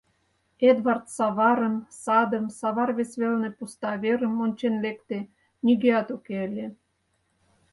Эдвард саварым, садым, савар вес велне пуста верым ончен лекте, — нигӧат уке ыле.